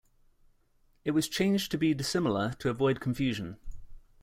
It was changed to be dissimilar to avoid confusion.